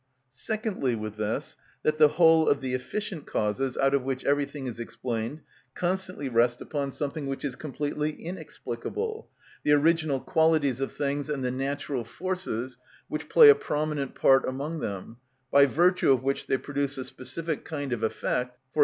Secondly with this, that the whole of the efficient causes out of which everything is explained constantly rest upon something which is completely inexplicable, the original qualities of things and the natural forces which play a prominent part among them, by virtue of which they produce a specific kind of effect, _e.